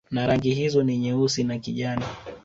Na rangi hizo ni Nyeusi na kijani